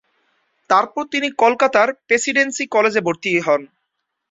তারপর তিনি কলকাতার প্রেসিডেন্সি কলেজে ভর্তি হন।